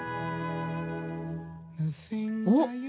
おっ！